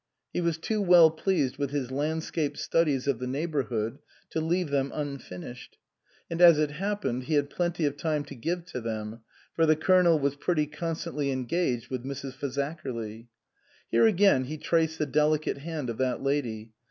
He was too well pleased with his landscape studies of the neighbourhood to leave them unfinished ; and as it happened, he had plenty of time to give to them, for the Colonel was pretty constantly engaged with Mrs. Faza kerly. (Here again he traced the delicate hand of that lady.